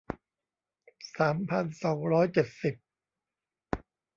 สามพันสองร้อยเจ็ดสิบ